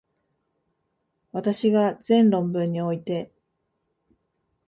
私が前論文において、